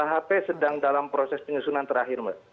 hp sedang dalam proses penyusunan terakhir mbak